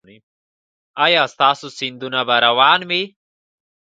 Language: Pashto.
ایا ستاسو سیندونه به روان وي؟